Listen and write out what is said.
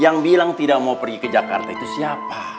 yang bilang tidak mau pergi ke jakarta itu siapa